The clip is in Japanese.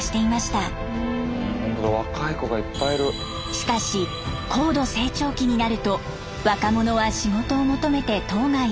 しかし高度成長期になると若者は仕事を求めて島外へ。